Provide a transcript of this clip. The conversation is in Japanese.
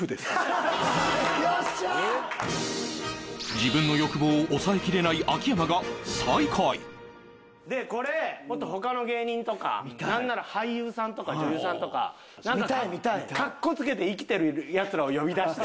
自分の欲望を抑えきれない秋山が最下位でこれもっと他の芸人とかなんなら俳優さんとか女優さんとかかっこつけて生きてるヤツらを呼び出して。